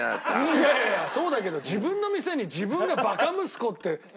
いやいやいやそうだけど自分の店に自分が「バカ息子」って付ける人いるか？